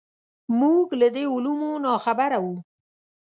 موږ له دې علومو ناخبره وو.